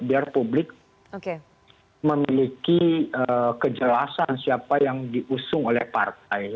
biar publik memiliki kejelasan siapa yang diusung oleh partai